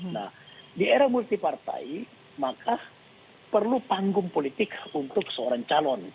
nah di era multi partai maka perlu panggung politik untuk seorang calon